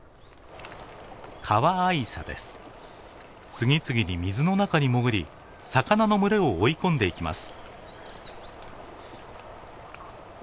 次々に水の中に潜り魚の群れを追い込んでいきます。